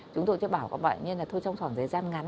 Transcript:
chúng tôi chỉ bảo các bạn như là thôi trong khoảng thời gian ngắn